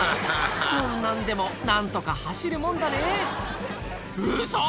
こんなんでも何とか走るもんだねぇウソ！